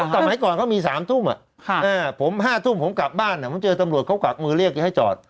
สมัยก่อนเขามี๓ทุ่มผม๕ทุ่มผมกลับบ้านผมเจอตำรวจเขากวักมือเรียกให้จอด